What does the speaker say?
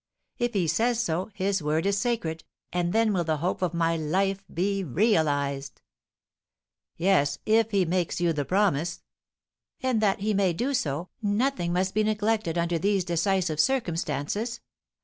If he says so, his word is sacred, and then will the hope of my life be realised!" "Yes, if he makes you the promise." "And that he may do so, nothing must be neglected under these decisive circumstances.